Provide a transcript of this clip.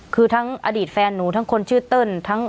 คือทั้งอดีตแฟนหนูทั้งคนชื่อเติ้ล